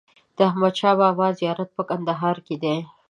د احمد شا بابا زیارت په کندهار کی دی